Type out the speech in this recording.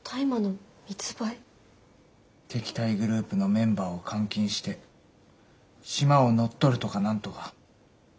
敵対グループのメンバーを監禁してシマを乗っ取るとか何とか。